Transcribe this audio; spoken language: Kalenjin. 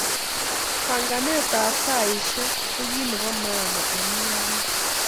Panganet ab saishek ko kit nebo maana eng mung'aret